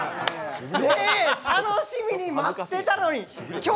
楽しみに待ってたのに！